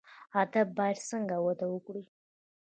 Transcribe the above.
ادب باید څنګه وده وکړي؟